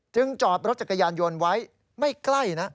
จอดรถจักรยานยนต์ไว้ไม่ใกล้นะ